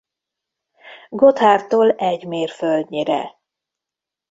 Gothárdtól egy mértföldnyire.